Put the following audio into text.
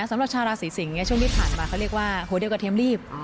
สำหรับชาวราศีสิงศ์ช่วงที่ผ่านมาเขาเรียกว่าหัวเดียวกับเทียมรีบ